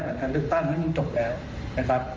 หลังจากเรื่องตั้งมันจบแล้วนะครับ